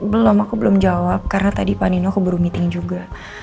belum aku belum jawab karena tadi pan dino keburu meeting juga